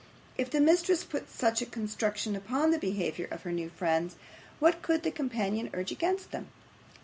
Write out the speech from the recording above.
If the mistress put such a construction upon the behaviour of her new friends, what could the companion urge against them?